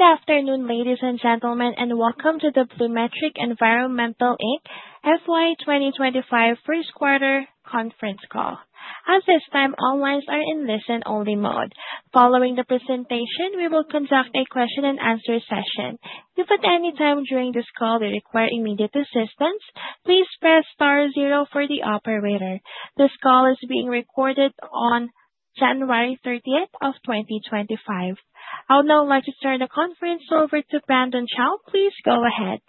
Good afternoon, ladies and gentlemen, and welcome to the BluMetric Environmental Inc FY 2025 First Quarter Conference Call. At this time, all lines are in listen-only mode. Following the presentation, we will conduct a question-and-answer session. If at any time during this call you require immediate assistance, please press star zero for the operator. This call is being recorded on January 30th of 2025. I would now like to turn the conference over to Brandon Chow. Please go ahead.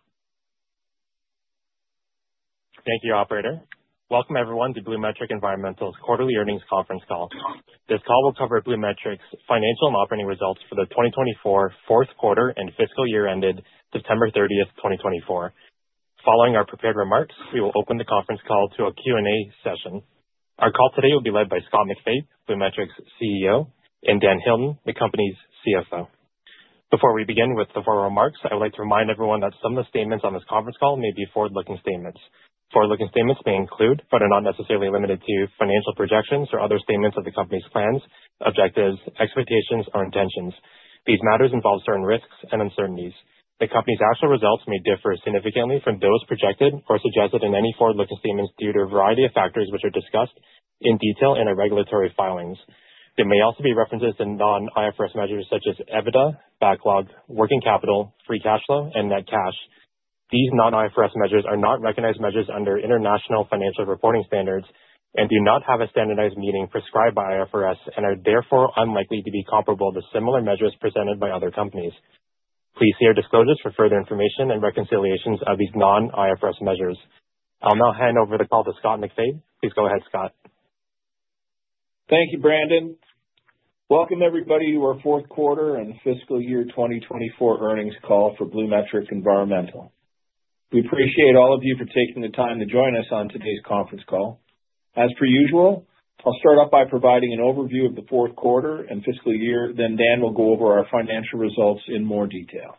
Thank you, Operator. Welcome, everyone, to BluMetric Environmental's Quarterly Earnings Conference Call. This call will cover BluMetric's financial and operating results for the 2024 Fourth Quarter and fiscal year ended September 30th, 2024. Following our prepared remarks, we will open the conference call to a Q&A session. Our call today will be led by Scott MacFabe, BluMetric's CEO, and Dan Hilton, the company's CFO. Before we begin with the formal remarks, I would like to remind everyone that some of the statements on this conference call may be forward-looking statements. Forward-looking statements may include, but are not necessarily limited to, financial projections or other statements of the company's plans, objectives, expectations, or intentions. These matters involve certain risks and uncertainties. The company's actual results may differ significantly from those projected or suggested in any forward-looking statements due to a variety of factors which are discussed in detail in our regulatory filings. There may also be references to non-IFRS measures such as EBITDA, backlog, working capital, free cash flow, and net cash. These non-IFRS measures are not recognized measures under International Financial Reporting Standards and do not have a standardized meaning prescribed by IFRS and are therefore unlikely to be comparable to similar measures presented by other companies. Please see our disclosures for further information and reconciliations of these non-IFRS measures. I'll now hand over the call to Scott MacFabe. Please go ahead, Scott. Thank you, Brandon. Welcome, everybody, to our fourth quarter and fiscal year 2024 earnings call for BluMetric Environmental. We appreciate all of you for taking the time to join us on today's conference call. As per usual, I'll start off by providing an overview of the fourth quarter and fiscal year, then Dan will go over our financial results in more detail.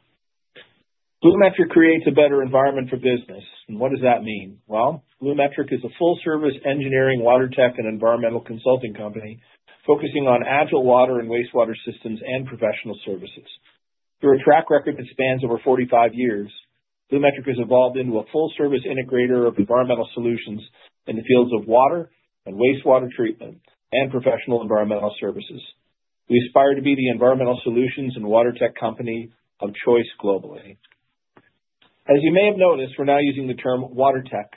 BluMetric creates a better environment for business. And what does that mean? Well, BluMetric is a full-service engineering, water tech, and environmental consulting company focusing on agile water and wastewater systems and professional services. Through a track record that spans over 45 years, BluMetric has evolved into a full-service integrator of environmental solutions in the fields of water and wastewater treatment and professional environmental services. We aspire to be the environmental solutions and water tech company of choice globally. As you may have noticed, we're now using the term water tech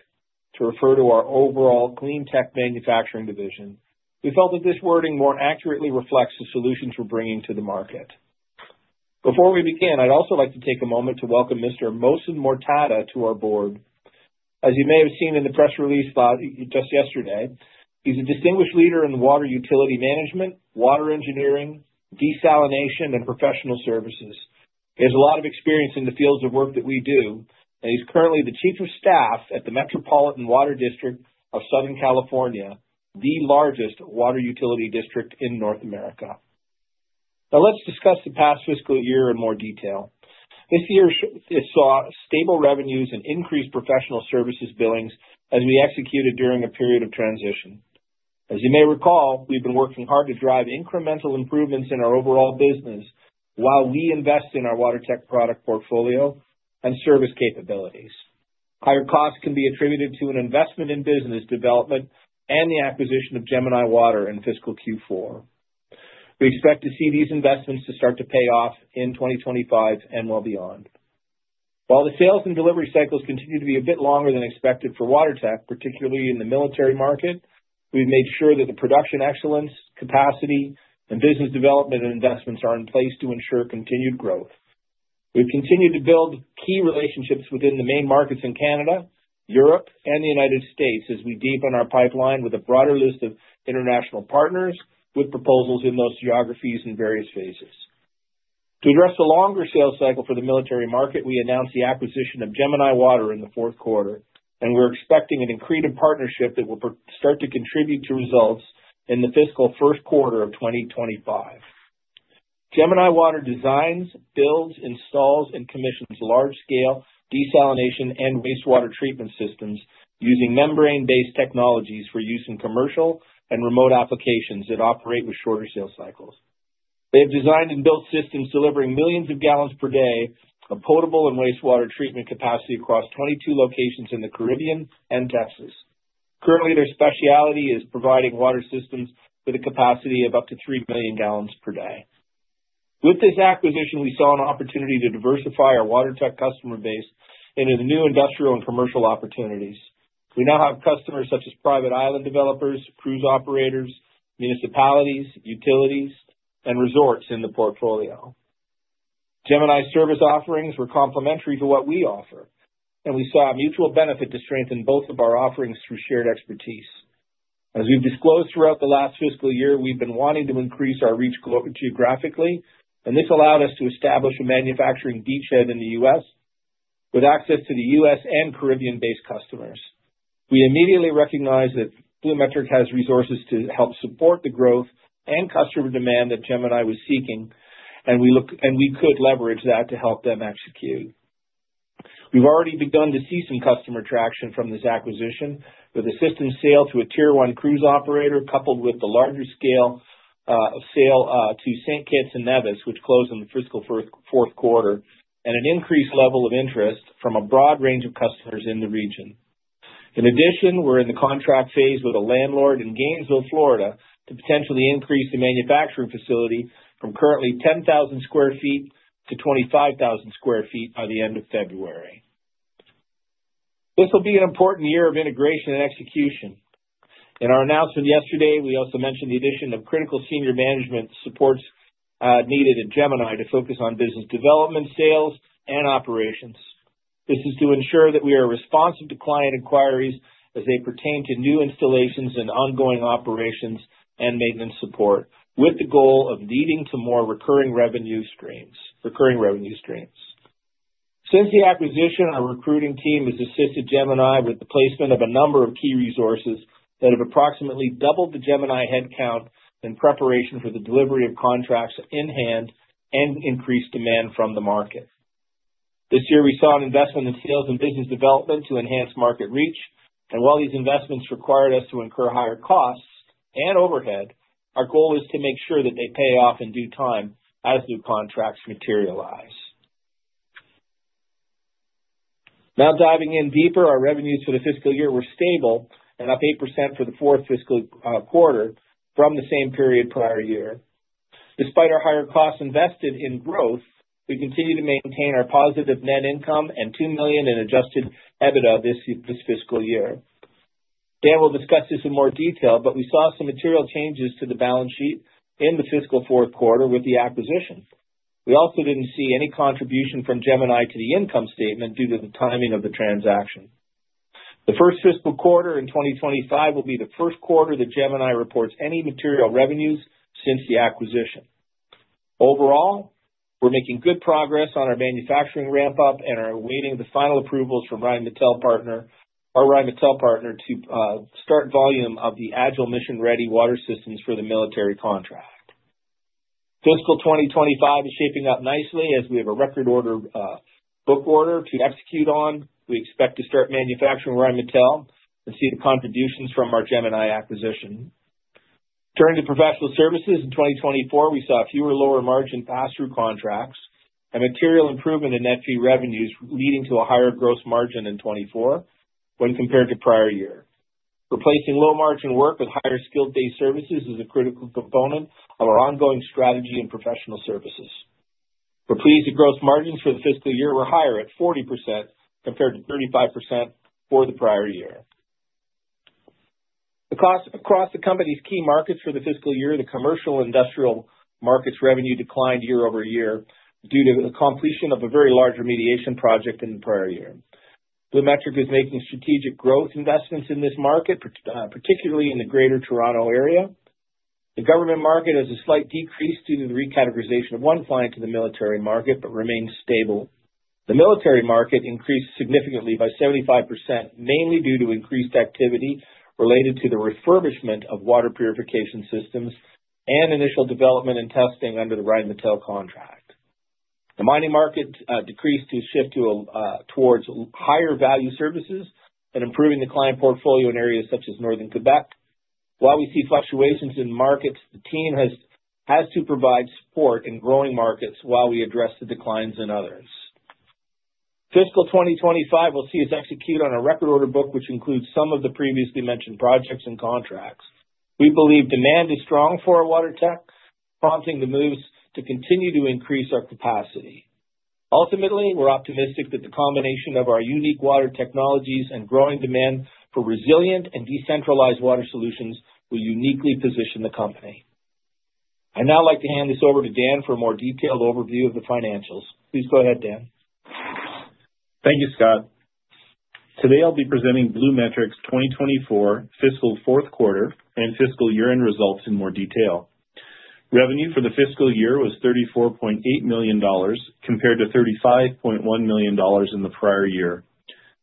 to refer to our overall clean tech manufacturing division. We felt that this wording more accurately reflects the solutions we're bringing to the market. Before we begin, I'd also like to take a moment to welcome Mr. Mazen Mortada to our board. As you may have seen in the press release just yesterday, he's a distinguished leader in water utility management, water engineering, desalination, and professional services. He has a lot of experience in the fields of work that we do, and he's currently the Chief of Staff at the Metropolitan Water District of Southern California, the largest water utility district in North America. Now, let's discuss the past fiscal year in more detail. This year saw stable revenues and increased professional services billings as we executed during a period of transition. As you may recall, we've been working hard to drive incremental improvements in our overall business while we invest in our water tech product portfolio and service capabilities. Higher costs can be attributed to an investment in business development and the acquisition of Gemini Water in fiscal fourth quarter. We expect to see these investments start to pay off in 2025 and well beyond. While the sales and delivery cycles continue to be a bit longer than expected for water tech, particularly in the military market, we've made sure that the production excellence, capacity, and business development and investments are in place to ensure continued growth. We've continued to build key relationships within the main markets in Canada, Europe, and the United States as we deepen our pipeline with a broader list of international partners with proposals in those geographies in various phases. To address the longer sales cycle for the military market, we announced the acquisition of Gemini Water in the fourth quarter, and we're expecting an increased partnership that will start to contribute to results in the fiscal first quarter of 2025. Gemini Water designs, builds, installs, and commissions large-scale desalination and wastewater treatment systems using membrane-based technologies for use in commercial and remote applications that operate with shorter sales cycles. They have designed and built systems delivering millions of gallons per day of potable and wastewater treatment capacity across 22 locations in the Caribbean and Texas. Currently, their specialty is providing water systems with a capacity of up to 3 million gallons per day. With this acquisition, we saw an opportunity to diversify our water tech customer base into the new industrial and commercial opportunities. We now have customers such as private island developers, cruise operators, municipalities, utilities, and resorts in the portfolio. Gemini's service offerings were complementary to what we offer, and we saw a mutual benefit to strengthen both of our offerings through shared expertise. As we've disclosed throughout the last fiscal year, we've been wanting to increase our reach geographically, and this allowed us to establish a manufacturing beachhead in the U.S. with access to the U.S. and Caribbean-based customers. We immediately recognized that BluMetric has resources to help support the growth and customer demand that Gemini was seeking, and we could leverage that to help them execute. We've already begun to see some customer traction from this acquisition, with the system sale to a tier one cruise operator coupled with the larger scale sale to Saint Kitts and Nevis, which closed in the fiscal fourth quarter, and an increased level of interest from a broad range of customers in the region. In addition, we're in the contract phase with a landlord in Gainesville, Florida, to potentially increase the manufacturing facility from currently 10,000 sq ft to 25,000 sq ft by the end of February. This will be an important year of integration and execution. In our announcement yesterday, we also mentioned the addition of critical senior management supports needed at Gemini to focus on business development, sales, and operations. This is to ensure that we are responsive to client inquiries as they pertain to new installations and ongoing operations and maintenance support, with the goal of leading to more recurring revenue streams. Since the acquisition, our recruiting team has assisted Gemini with the placement of a number of key resources that have approximately doubled the Gemini headcount in preparation for the delivery of contracts in hand and increased demand from the market. This year, we saw an investment in sales and business development to enhance market reach, and while these investments required us to incur higher costs and overhead, our goal is to make sure that they pay off in due time as new contracts materialize. Now diving in deeper, our revenues for the fiscal year were stable and up 8% for the fourth fiscal quarter from the same period prior year. Despite our higher costs invested in growth, we continue to maintain our positive net income and 2 million in adjusted EBITDA this fiscal year. Dan will discuss this in more detail, but we saw some material changes to the balance sheet in the fiscal fourth quarter with the acquisition. We also didn't see any contribution from Gemini to the income statement due to the timing of the transaction. The first fiscal quarter in 2025 will be the first quarter that Gemini reports any material revenues since the acquisition. Overall, we're making good progress on our manufacturing ramp-up and are awaiting the final approvals from Rheinmetall partner to start volume of the Agile Mission Ready Water Systems for the military contract. Fiscal 2025 is shaping up nicely as we have a record order book order to execute on. We expect to start manufacturing Rheinmetall and see the contributions from our Gemini acquisition. Turning to professional services, in 2024, we saw fewer lower-margin pass-through contracts and material improvement in net fee revenues leading to a higher gross margin in 2024 when compared to prior year. Replacing low-margin work with higher skilled-based services is a critical component of our ongoing strategy and professional services. We're pleased that gross margins for the fiscal year were higher at 40% compared to 35% for the prior year. Across the company's key markets for the fiscal year, the commercial and industrial markets revenue declined year over year due to the completion of a very large remediation project in the prior year. BluMetric is making strategic growth investments in this market, particularly in the greater Toronto area. The government market has a slight decrease due to the recategorization of one client to the military market, but remains stable. The military market increased significantly by 75%, mainly due to increased activity related to the refurbishment of water purification systems and initial development and testing under the Rheinmetall contract. The mining market decreased to shift towards higher value services and improving the client portfolio in areas such as Northern Quebec. While we see fluctuations in markets, the team has to provide support in growing markets while we address the declines in others. Fiscal 2025 we'll see us execute on a record order book which includes some of the previously mentioned projects and contracts. We believe demand is strong for our water tech, prompting the moves to continue to increase our capacity. Ultimately, we're optimistic that the combination of our unique water technologies and growing demand for resilient and decentralized water solutions will uniquely position the company. I'd now like to hand this over to Dan for a more detailed overview of the financials. Please go ahead, Dan. Thank you, Scott. Today, I'll be presenting BluMetric's 2024 fiscal fourth quarter and fiscal year-end results in more detail. Revenue for the fiscal year was 34.8 million dollars compared to 35.1 million dollars in the prior year.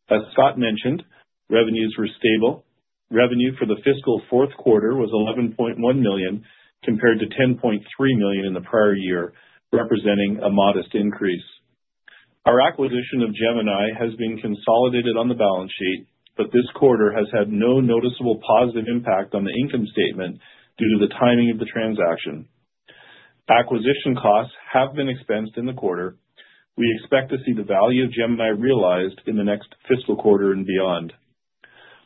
As Scott mentioned, revenues were stable. Revenue for the fiscal fourth quarter was 11.1 million compared to 10.3 million in the prior year, representing a modest increase. Our acquisition of Gemini has been consolidated on the balance sheet, but this quarter has had no noticeable positive impact on the income statement due to the timing of the transaction. Acquisition costs have been expensed in the quarter. We expect to see the value of Gemini realized in the next fiscal quarter and beyond.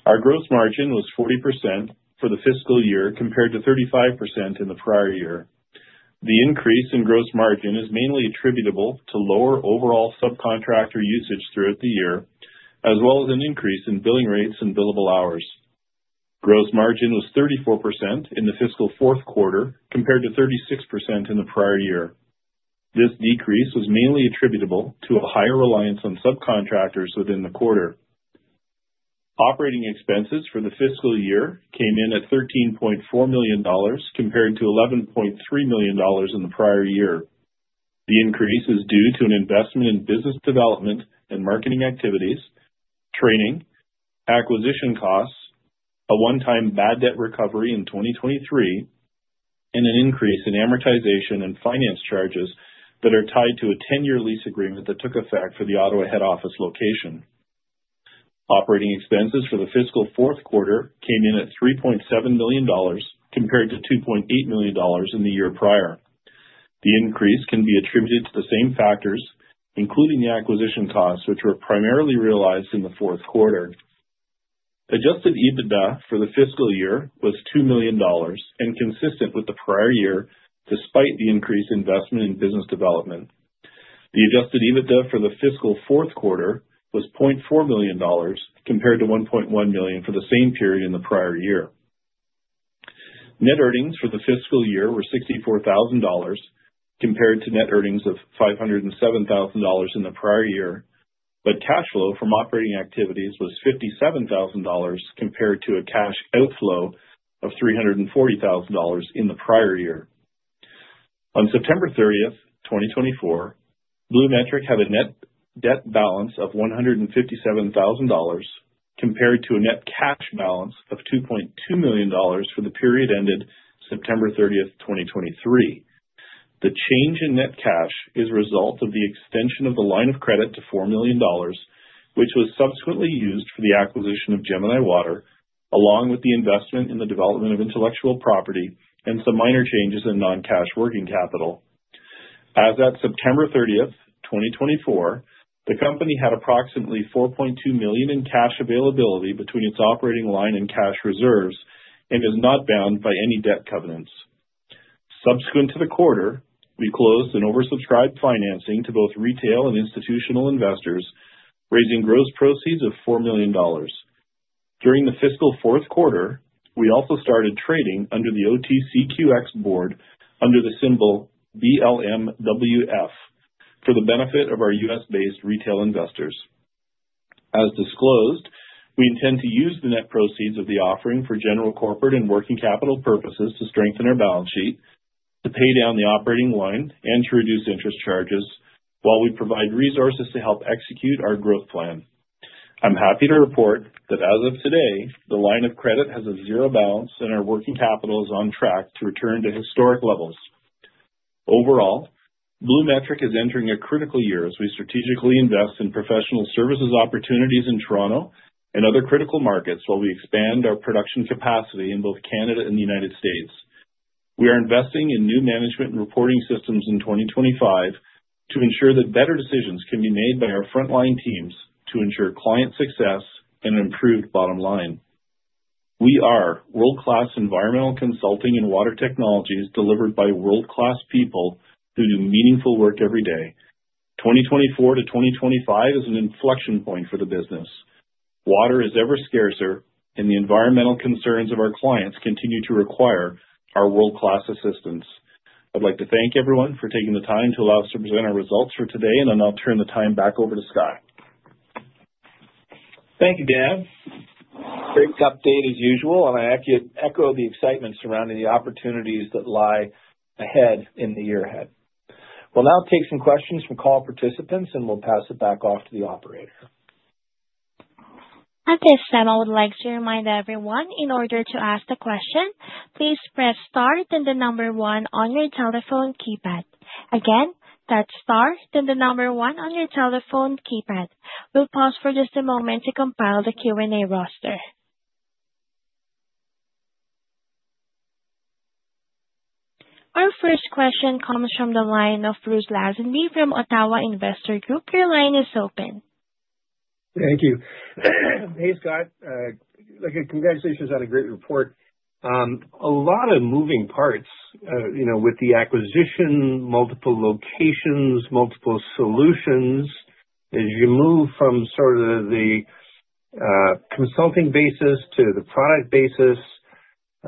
Our gross margin was 40% for the fiscal year compared to 35% in the prior year. The increase in gross margin is mainly attributable to lower overall subcontractor usage throughout the year, as well as an increase in billing rates and billable hours. Gross margin was 34% in the fiscal fourth quarter compared to 36% in the prior year. This decrease was mainly attributable to a higher reliance on subcontractors within the quarter. Operating expenses for the fiscal year came in at 13.4 million dollars compared to 11.3 million dollars in the prior year. The increase is due to an investment in business development and marketing activities, training, acquisition costs, a one-time bad debt recovery in 2023, and an increase in amortization and finance charges that are tied to a 10-year lease agreement that took effect for the Ottawa head office location. Operating expenses for the fiscal fourth quarter came in at 3.7 million dollars compared to 2.8 million dollars in the year prior. The increase can be attributed to the same factors, including the acquisition costs, which were primarily realized in the fourth quarter. Adjusted EBITDA for the fiscal year was 2 million dollars and consistent with the prior year despite the increased investment in business development. The adjusted EBITDA for the fiscal fourth quarter was 0.4 million dollars compared to 1.1 million for the same period in the prior year. Net earnings for the fiscal year were 64,000 dollars compared to net earnings of 507,000 dollars in the prior year, but cash flow from operating activities was 57,000 dollars compared to a cash outflow of 340,000 dollars in the prior year. On September 30th, 2024, BluMetric had a net debt balance of 157,000 dollars compared to a net cash balance of 2.2 million dollars for the period ended September 30th, 2023. The change in net cash is a result of the extension of the line of credit to 4 million dollars, which was subsequently used for the acquisition of Gemini Water, along with the investment in the development of intellectual property and some minor changes in non-cash working capital. As of September 30th, 2024, the company had approximately 4.2 million in cash availability between its operating line and cash reserves, and is not bound by any debt covenants. Subsequent to the quarter, we closed and oversubscribed financing to both retail and institutional investors, raising gross proceeds of 4 million dollars. During the fiscal fourth quarter, we also started trading under the OTCQX board under the symbol BLMWF for the benefit of our U.S.-based retail investors. As disclosed, we intend to use the net proceeds of the offering for general corporate and working capital purposes to strengthen our balance sheet, to pay down the operating line, and to reduce interest charges while we provide resources to help execute our growth plan. I'm happy to report that as of today, the line of credit has a zero balance and our working capital is on track to return to historic levels. Overall, BluMetric is entering a critical year as we strategically invest in professional services opportunities in Toronto and other critical markets while we expand our production capacity in both Canada and the United States. We are investing in new management and reporting systems in 2025 to ensure that better decisions can be made by our frontline teams to ensure client success and an improved bottom line. We are world-class environmental consulting and water technologies delivered by world-class people who do meaningful work every day. 2024 to 2025 is an inflection point for the business. Water is ever scarcer, and the environmental concerns of our clients continue to require our world-class assistance. I'd like to thank everyone for taking the time to allow us to present our results for today, and then I'll turn the time back over to Scott. Thank you, Dan. Great update as usual, and I echo the excitement surrounding the opportunities that lie ahead in the year ahead. We'll now take some questions from call participants, and we'll pass it back off to the operator. At this time, I would like to remind everyone, in order to ask the question, please press star then the number one on your telephone keypad. Again, that's star then the number one on your telephone keypad. We'll pause for just a moment to compile the Q&A roster. Our first question comes from the line of Bruce Lazenby from Ottawa Investor Group. Your line is open. Thank you. Hey, Scott. Congratulations on a great report. A lot of moving parts with the acquisition, multiple locations, multiple solutions. As you move from sort of the consulting basis to the product basis,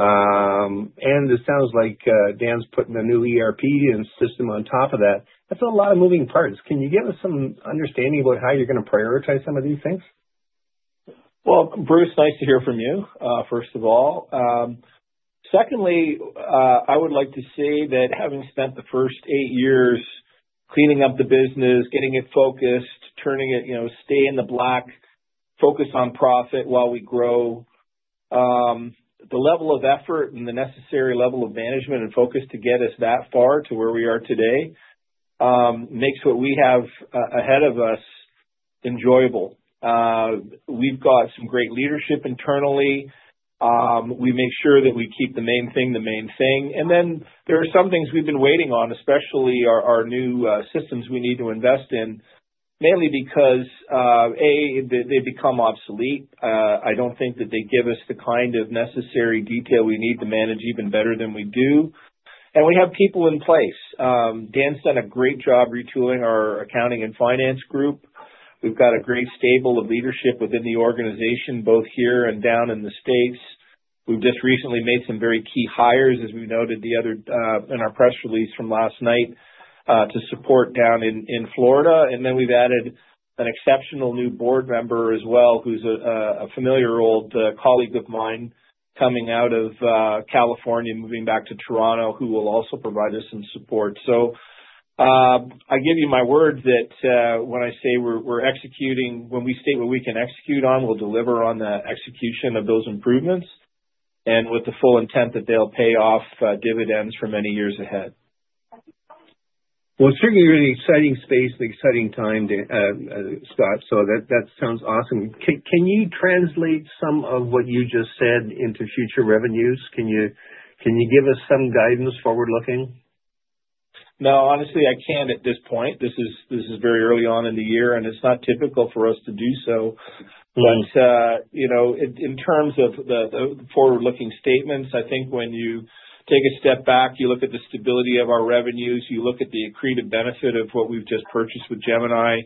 and it sounds like Dan's putting a new ERP and system on top of that, that's a lot of moving parts. Can you give us some understanding about how you're going to prioritize some of these things? Bruce, nice to hear from you, first of all. Secondly, I would like to say that having spent the first eight years cleaning up the business, getting it focused, turning it, stay in the black, focus on profit while we grow, the level of effort and the necessary level of management and focus to get us that far to where we are today makes what we have ahead of us enjoyable. We've got some great leadership internally. We make sure that we keep the main thing the main thing. Then there are some things we've been waiting on, especially our new systems we need to invest in, mainly because, A, they've become obsolete. I don't think that they give us the kind of necessary detail we need to manage even better than we do. We have people in place. Dan's done a great job retooling our accounting and finance group. We've got a great stable of leadership within the organization, both here and down in the States. We've just recently made some very key hires, as we noted in our press release from last night, to support down in Florida, and then we've added an exceptional new board member as well, who's a familiar old colleague of mine coming out of California, moving back to Toronto, who will also provide us some support. I give you my word that when I say we're executing, when we state what we can execute on, we'll deliver on the execution of those improvements and with the full intent that they'll pay off dividends for many years ahead. Certainly an exciting space and exciting time, Scott. That sounds awesome. Can you translate some of what you just said into future revenues? Can you give us some guidance forward-looking? No, honestly, I can't at this point. This is very early on in the year, and it's not typical for us to do so. But in terms of the forward-looking statements, I think when you take a step back, you look at the stability of our revenues, you look at the accretive benefit of what we've just purchased with Gemini,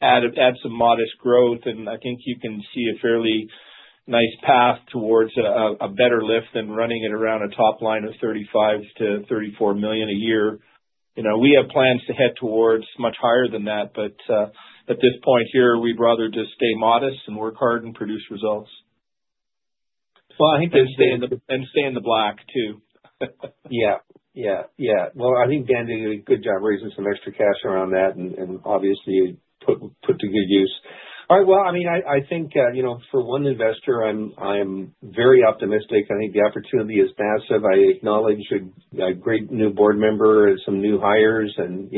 add some modest growth, and I think you can see a fairly nice path towards a better lift than running it around a top line of 35-34 million a year. We have plans to head towards much higher than that, but at this point here, we'd rather just stay modest and work hard and produce results. And stay in the black too. Yeah, yeah, yeah. Well, I think Dan did a good job raising some extra cash around that, and obviously put to good use. All right, well, I mean, I think for one investor, I am very optimistic. I think the opportunity is massive. I acknowledge a great new board member and some new hires, and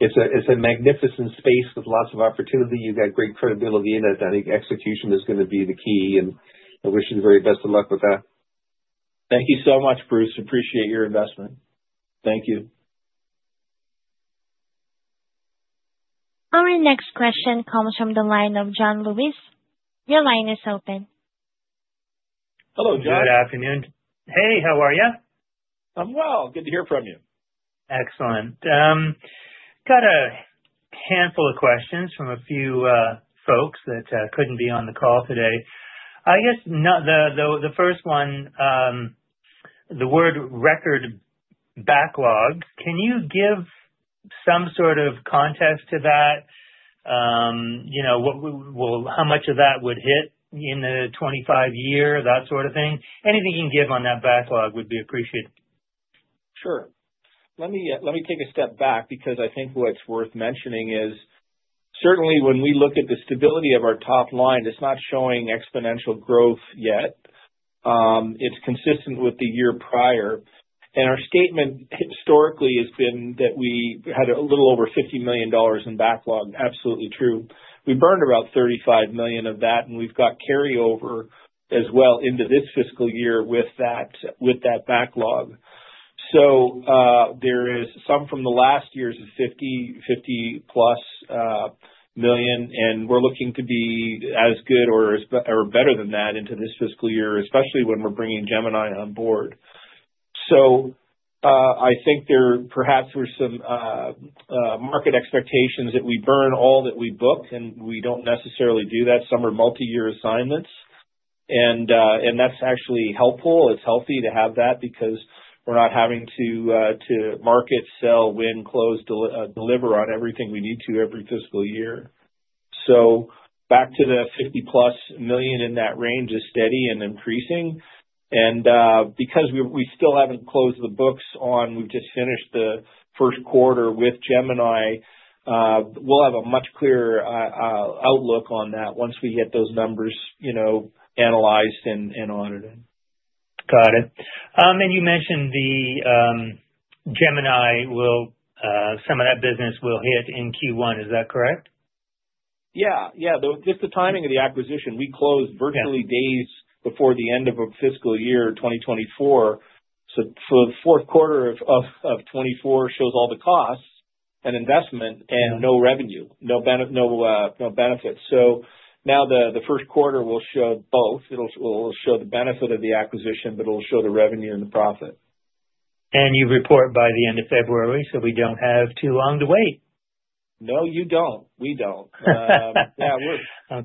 it's a magnificent space with lots of opportunity. You've got great credibility in it. I think execution is going to be the key, and I wish you the very best of luck with that. Thank you so much, Bruce. Appreciate your investment. Thank you. Our next question comes from the line of John Lewis. Your line is open. Hello, John. Good afternoon. Hey, how are you? I'm well. Good to hear from you. Excellent. Got a handful of questions from a few folks that couldn't be on the call today. I guess the first one, the world record backlog. Can you give some sort of context to that? How much of that would hit in the 25-year, that sort of thing? Anything you can give on that backlog would be appreciated. Sure. Let me take a step back because I think what's worth mentioning is certainly when we look at the stability of our top line, it's not showing exponential growth yet. It's consistent with the year prior, and our statement historically has been that we had a little over 50 million dollars in backlog. Absolutely true. We burned about 35 million of that, and we've got carryover as well into this fiscal year with that backlog. So there is some from the last years of 50+ million, and we're looking to be as good or better than that into this fiscal year, especially when we're bringing Gemini on board. So I think perhaps there were some market expectations that we burn all that we book, and we don't necessarily do that. Some are multi-year assignments, and that's actually helpful. It's healthy to have that because we're not having to market, sell, win, close, deliver on everything we need to every fiscal year, so back to the 50+ million in that range is steady and increasing, and because we still haven't closed the books on, we've just finished the first quarter with Gemini, we'll have a much clearer outlook on that once we get those numbers analyzed and audited. Got it. And you mentioned the Gemini, some of that business will hit in Q1. Is that correct? Yeah. Yeah. Just the timing of the acquisition. We closed virtually days before the end of fiscal year 2024. So the fourth quarter of 2024 shows all the costs and investment and no revenue, no benefit. So now the first quarter will show both. It'll show the benefit of the acquisition, but it'll show the revenue and the profit. You report by the end of February, so we don't have too long to wait. No, you don't. We don't. Yeah.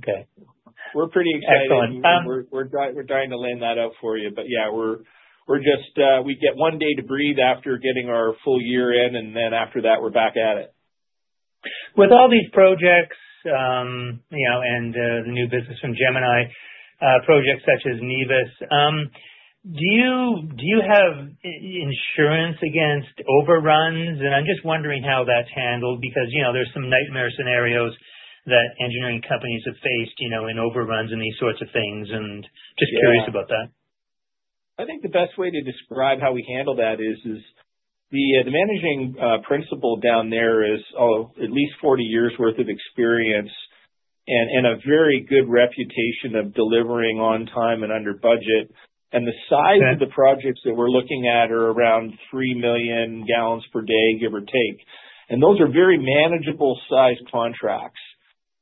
We're pretty excited. Excellent. We're dying to lay that out for you, but yeah, we get one day to breathe after getting our full year in, and then after that, we're back at it. With all these projects and the new business from Gemini, projects such as Nevis, do you have insurance against overruns? And I'm just wondering how that's handled because there's some nightmare scenarios that engineering companies have faced in overruns and these sorts of things. And just curious about that. I think the best way to describe how we handle that is the managing principal down there is at least 40 years' worth of experience and a very good reputation of delivering on time and under budget. And the size of the projects that we're looking at are around 3 million gallons per day, give or take. And those are very manageable-sized contracts,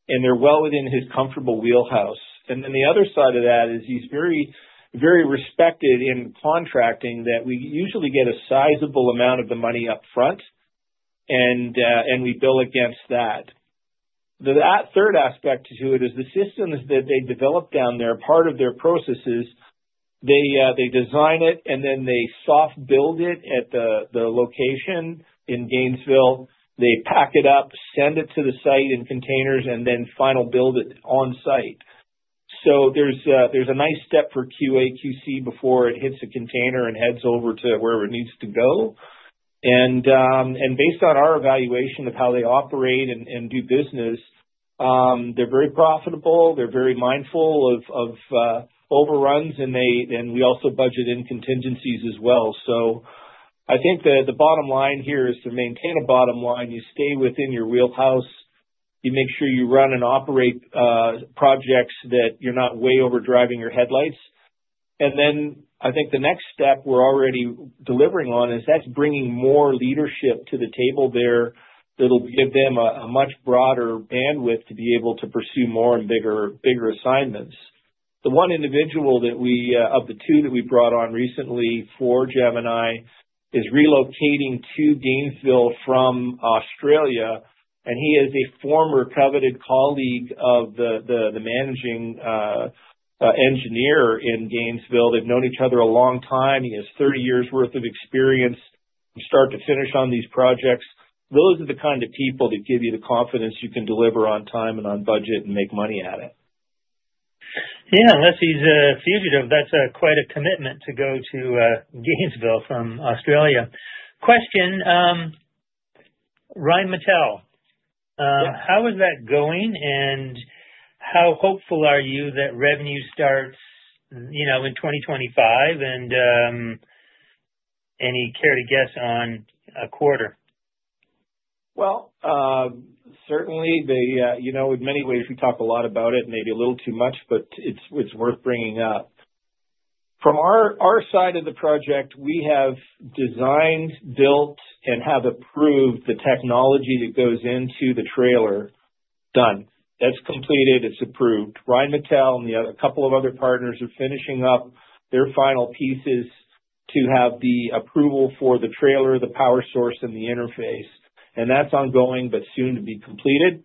and they're well within his comfortable wheelhouse. And then the other side of that is he's very respected in contracting that we usually get a sizable amount of the money upfront, and we bill against that. That third aspect to it is the systems that they develop down there, part of their processes. They design it, and then they soft-build it at the location in Gainesville. They pack it up, send it to the site in containers, and then final build it on-site. There's a nice step for QA/QC before it hits a container and heads over to wherever it needs to go. Based on our evaluation of how they operate and do business, they're very profitable. They're very mindful of overruns, and we also budget in contingencies as well. I think the bottom line here is to maintain a bottom line. You stay within your wheelhouse. You make sure you run and operate projects that you're not way overdriving your headlights. I think the next step we're already delivering on is that's bringing more leadership to the table there that'll give them a much broader bandwidth to be able to pursue more and bigger assignments. The one individual of the two that we brought on recently for Gemini is relocating to Gainesville from Australia, and he is a former coveted colleague of the managing engineer in Gainesville. They've known each other a long time. He has 30 years worth of experience from start to finish on these projects. Those are the kind of people that give you the confidence you can deliver on time and on budget and make money at it. Yeah. Unless he's fugitive, that's quite a commitment to go to Gainesville from Australia. Question, Rheinmetall. How is that going, and how hopeful are you that revenue starts in 2025, and any carry to guess on a quarter? Certainly, in many ways, we talk a lot about it, maybe a little too much, but it's worth bringing up. From our side of the project, we have designed, built, and have approved the technology that goes into the trailer. Done. That's completed. It's approved. Rheinmetall and a couple of other partners are finishing up their final pieces to have the approval for the trailer, the power source, and the interface. That's ongoing but soon to be completed.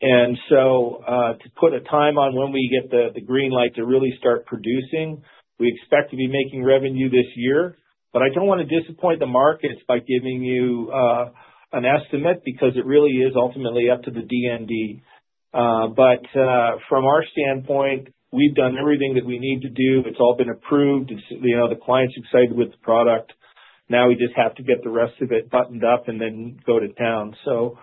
To put a time on when we get the green light to really start producing, we expect to be making revenue this year. I don't want to disappoint the markets by giving you an estimate because it really is ultimately up to the DND. From our standpoint, we've done everything that we need to do. It's all been approved. The client's excited with the product. Now we just have to get the rest of it buttoned up and then go to town. So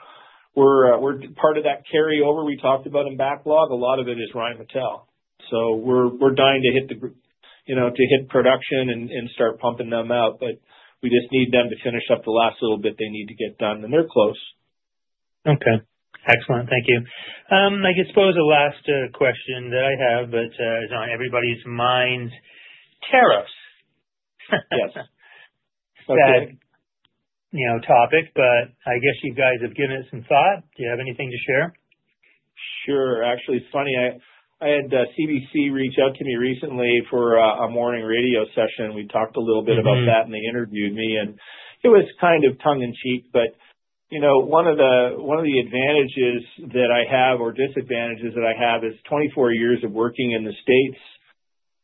part of that carryover we talked about in backlog, a lot of it is Rheinmetall. So we're dying to hit production and start pumping them out, but we just need them to finish up the last little bit they need to get done, and they're close. Okay. Excellent. Thank you. I guess it was the last question that I have, but it's on everybody's mind: tariffs. Yes. That topic, but I guess you guys have given it some thought. Do you have anything to share? Sure. Actually, it's funny. I had CBC reach out to me recently for a morning radio session. We talked a little bit about that and they interviewed me, and it was kind of tongue-in-cheek. But one of the advantages that I have or disadvantages that I have is 24 years of working in the States.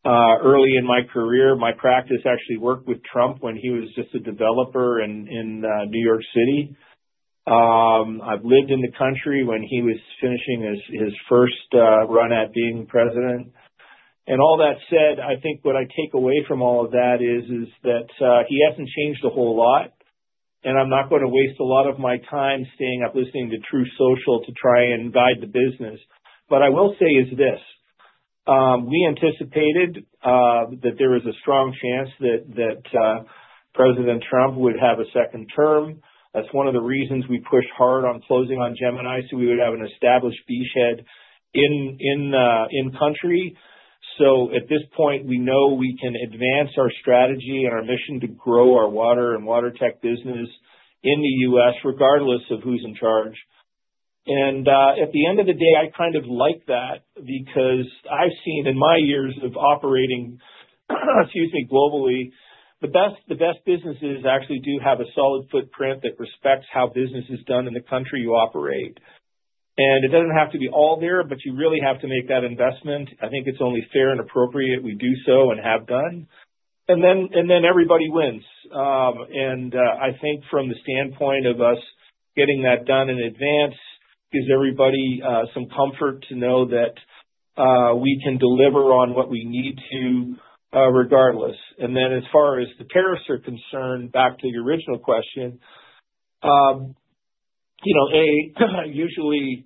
Early in my career, my practice actually worked with Trump when he was just a developer in New York City. I've lived in the country when he was finishing his first run at being president, and all that said, I think what I take away from all of that is that he hasn't changed a whole lot, and I'm not going to waste a lot of my time staying up listening to Truth Social to try and guide the business. But I will say is this: we anticipated that there was a strong chance that President Trump would have a second term. That's one of the reasons we pushed hard on closing on Gemini so we would have an established beachhead in country. So at this point, we know we can advance our strategy and our mission to grow our water and water tech business in the U.S. regardless of who's in charge. And at the end of the day, I kind of like that because I've seen in my years of operating, excuse me, globally, the best businesses actually do have a solid footprint that respects how business is done in the country you operate. And it doesn't have to be all there, but you really have to make that investment. I think it's only fair and appropriate we do so and have done. And then everybody wins. I think from the standpoint of us getting that done in advance, gives everybody some comfort to know that we can deliver on what we need to regardless. Then as far as the tariffs are concerned, back to the original question, usually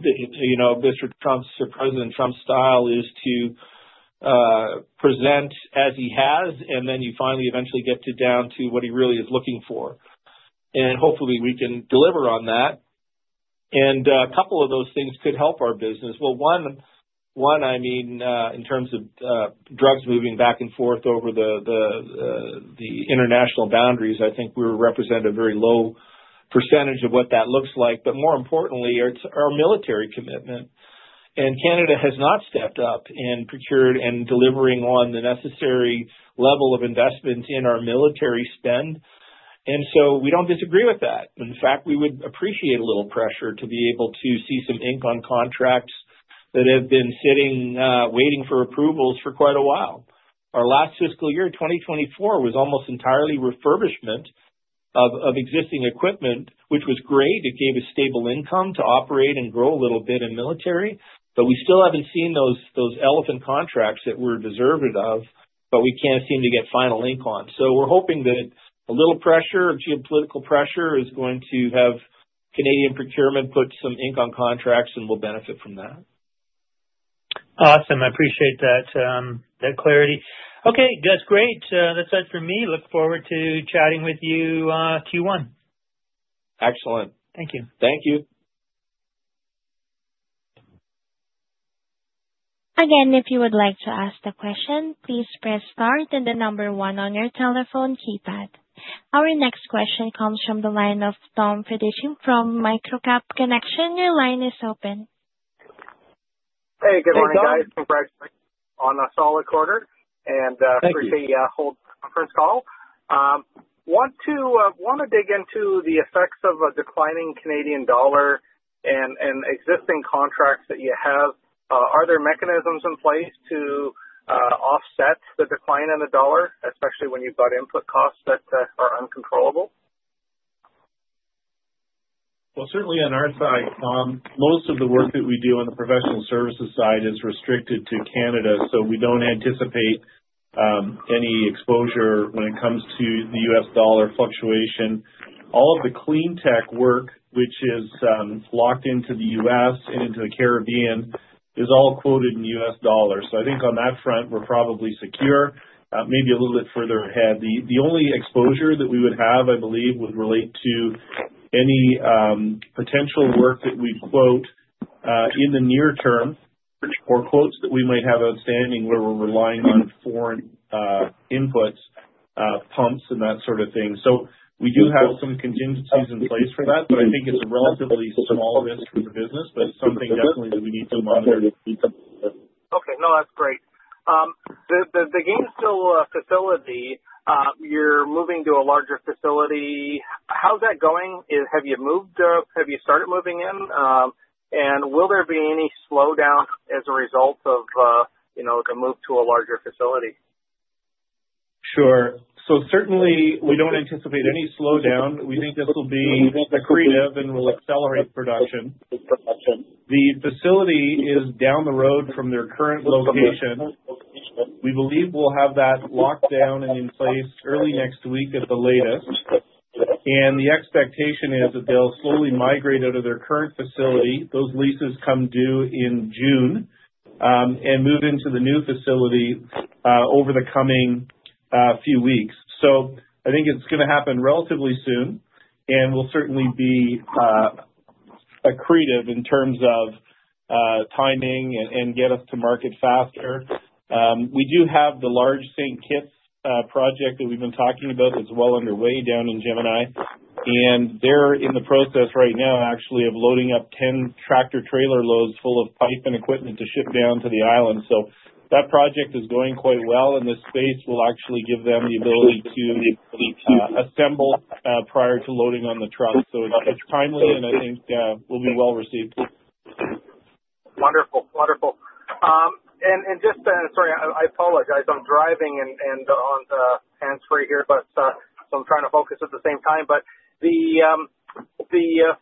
Mr. Trump's or President Trump's style is to present as he has, and then you finally eventually get down to what he really is looking for. Hopefully, we can deliver on that. A couple of those things could help our business. Well, one, I mean, in terms of drugs moving back and forth over the international boundaries, I think we represent a very low percentage of what that looks like. But more importantly, it's our military commitment. Canada has not stepped up and procured and delivering on the necessary level of investment in our military spend. So we don't disagree with that. In fact, we would appreciate a little pressure to be able to see some ink on contracts that have been sitting waiting for approvals for quite a while. Our last fiscal year in 2024 was almost entirely refurbishment of existing equipment, which was great. It gave us stable income to operate and grow a little bit in military. But we still haven't seen those elephant contracts that we're deserved of, but we can't seem to get final ink on. So we're hoping that a little pressure, geopolitical pressure, is going to have Canadian procurement put some ink on contracts and we'll benefit from that. Awesome. I appreciate that clarity. Okay. That's great. That's it for me. Look forward to chatting with you Q1. Excellent. Thank you. Thank you. Again, if you would like to ask a question, please press star then the number one on your telephone keypad. Our next question comes from the line of Tom Fedichin from Microcap Connection. Your line is open. Hey. Good morning, guys. On a solid quarter, and appreciate you holding the conference call. Want to dig into the effects of a declining Canadian dollar and existing contracts that you have. Are there mechanisms in place to offset the decline in the dollar, especially when you've got input costs that are uncontrollable? Certainly on our side, most of the work that we do on the professional services side is restricted to Canada, so we don't anticipate any exposure when it comes to the U.S. dollar fluctuation. All of the clean tech work, which is locked into the U.S. and into the Caribbean, is all quoted in U.S. dollars. So I think on that front, we're probably secure. Maybe a little bit further ahead. The only exposure that we would have, I believe, would relate to any potential work that we quote in the near term or quotes that we might have outstanding where we're relying on foreign inputs, pumps, and that sort of thing. So we do have some contingencies in place for that, but I think it's a relatively small risk for the business, but it's something definitely that we need to monitor. Okay. No, that's great. The Gainesville facility, you're moving to a larger facility. How's that going? Have you moved? Have you started moving in? And will there be any slowdown as a result of the move to a larger facility? Sure. So certainly, we don't anticipate any slowdown. We think this will be creative and will accelerate production. The facility is down the road from their current location. We believe we'll have that locked down and in place early next week at the latest. And the expectation is that they'll slowly migrate out of their current facility. Those leases come due in June and move into the new facility over the coming few weeks. So I think it's going to happen relatively soon, and we'll certainly be creative in terms of timing and get us to market faster. We do have the large Saint Kitts project that we've been talking about that's well underway down in Gemini, and they're in the process right now, actually, of loading up 10 tractor trailer loads full of pipe and equipment to ship down to the island. So that project is going quite well, and this space will actually give them the ability to assemble prior to loading on the truck. So it's timely, and I think we'll be well received. Wonderful. Wonderful. And just sorry, I apologize. I'm driving and on the hands-free here, so I'm trying to focus at the same time. But the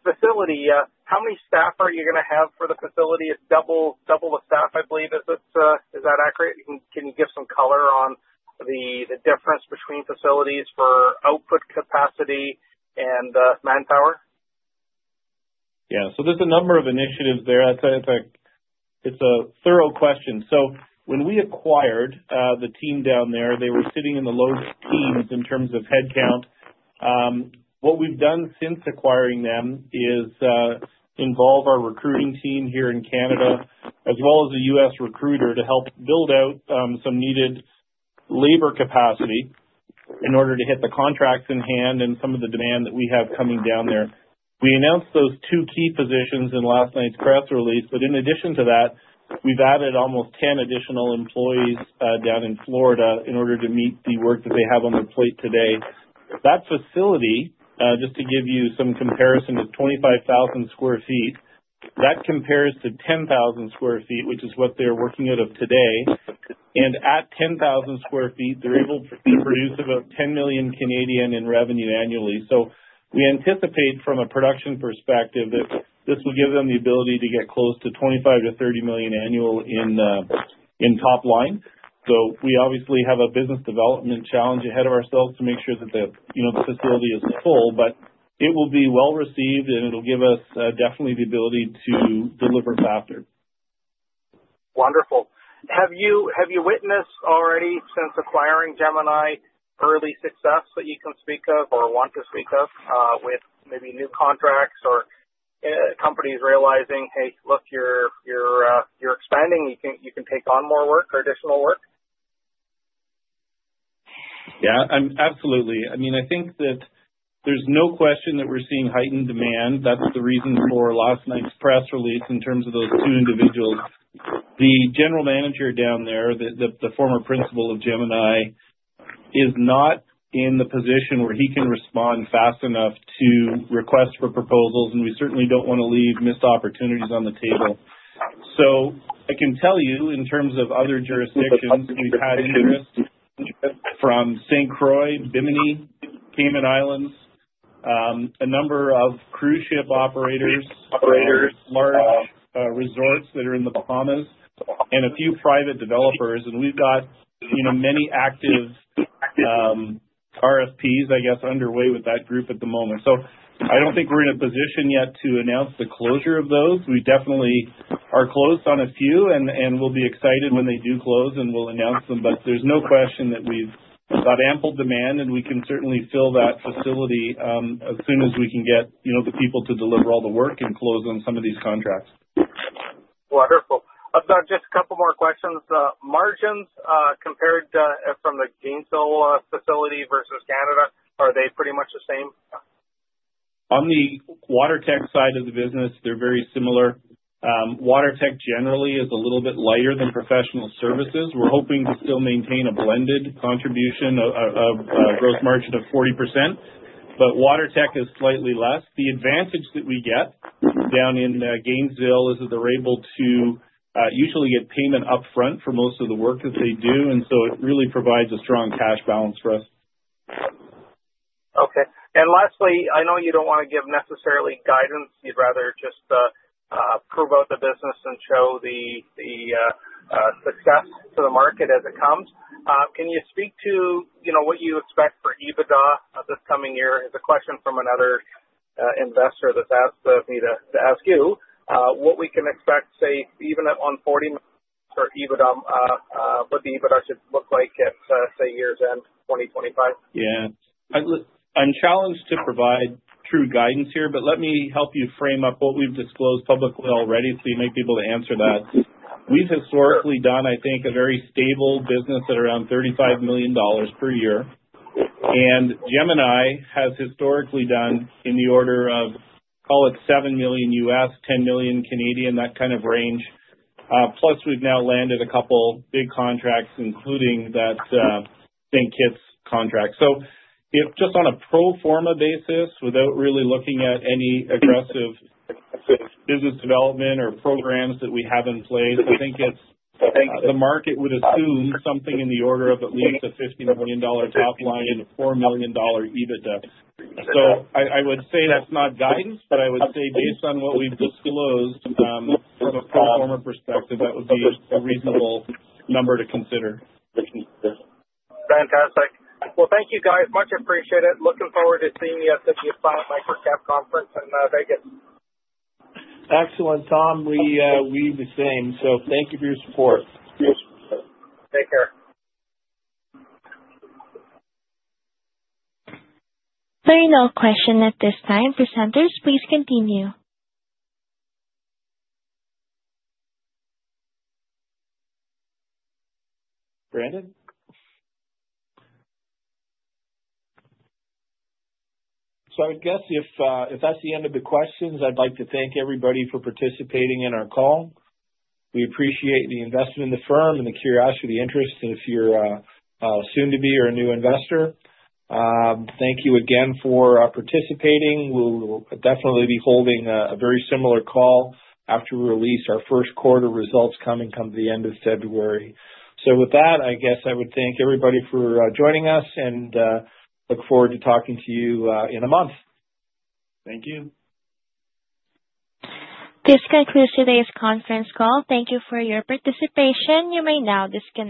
facility, how many staff are you going to have for the facility? It's double the staff, I believe. Is that accurate? Can you give some color on the difference between facilities for output capacity and manpower? Yeah, so there's a number of initiatives there. It's a thorough question, so when we acquired the team down there, they were sitting in the low teens in terms of headcount. What we've done since acquiring them is involve our recruiting team here in Canada as well as a U.S. recruiter to help build out some needed labor capacity in order to hit the contracts in hand and some of the demand that we have coming down there. We announced those two key positions in last night's press release, but in addition to that, we've added almost 10 additional employees down in Florida in order to meet the work that they have on their plate today. That facility, just to give you some comparison, is 25,000 sq ft. That compares to 10,000 sq ft, which is what they're working out of today. And at 10,000 sq ft, they're able to produce about 10 million in revenue annually. So we anticipate from a production perspective that this will give them the ability to get close to 25-30 million annual in top line. So we obviously have a business development challenge ahead of ourselves to make sure that the facility is full, but it will be well received, and it'll give us definitely the ability to deliver faster. Wonderful. Have you witnessed already since acquiring Gemini early success that you can speak of or want to speak of with maybe new contracts or companies realizing, "Hey, look, you're expanding. You can take on more work or additional work"? Yeah. Absolutely. I mean, I think that there's no question that we're seeing heightened demand. That's the reason for last night's press release in terms of those two individuals. The general manager down there, the former principal of Gemini, is not in the position where he can respond fast enough to request for proposals, and we certainly don't want to leave missed opportunities on the table. So I can tell you in terms of other jurisdictions, we've had interest from St. Croix, Bimini, Cayman Islands, a number of cruise ship operators, large resorts that are in the Bahamas, and a few private developers, and we've got many active RFPs, I guess, underway with that group at the moment, so I don't think we're in a position yet to announce the closure of those. We definitely are close on a few, and we'll be excited when they do close and we'll announce them. But there's no question that we've got ample demand, and we can certainly fill that facility as soon as we can get the people to deliver all the work and close on some of these contracts. Wonderful. Just a couple more questions. Margins compared from the Gainesville facility versus Canada, are they pretty much the same? On the water tech side of the business, they're very similar. Water tech generally is a little bit lighter than professional services. We're hoping to still maintain a blended contribution of gross margin of 40%, but water tech is slightly less. The advantage that we get down in Gainesville is that they're able to usually get payment upfront for most of the work that they do, and so it really provides a strong cash balance for us. Okay. And lastly, I know you don't want to give necessarily guidance. You'd rather just promote the business and show the success to the market as it comes. Can you speak to what you expect for EBITDA this coming year? It's a question from another investor that's asked me to ask you. What we can expect, say, even on 40 for EBITDA, what the EBITDA should look like at, say, year's end, 2025? Yeah. I'm challenged to provide true guidance here, but let me help you frame up what we've disclosed publicly already so you may be able to answer that. We've historically done, I think, a very stable business at around 35 million dollars per year, and Gemini has historically done in the order of, call it $7 million, 10 million, that kind of range, plus, we've now landed a couple big contracts, including that Saint Kitts contract, so just on a pro forma basis, without really looking at any aggressive business development or programs that we have in place, I think the market would assume something in the order of at least a 50 million dollar top line and a 4 million dollar EBITDA. So I would say that's not guidance, but I would say based on what we've disclosed from a pro forma perspective, that would be a reasonable number to consider. Fantastic. Well, thank you, guys. Much appreciated. Looking forward to seeing you at the new client Microcap Conference in Vegas. Excellent, Tom. We feel the same. So thank you for your support. Take care. There are no questions at this time. Presenters, please continue. Brandon? So I guess if that's the end of the questions, I'd like to thank everybody for participating in our call. We appreciate the investment in the firm and the curiosity, interest, if you're soon-to-be or a new investor. Thank you again for participating. We'll definitely be holding a very similar call after we release our first quarter results coming at the end of February. So with that, I guess I would thank everybody for joining us and look forward to talking to you in a month. Thank you. This concludes today's conference call. Thank you for your participation. You may now disconnect.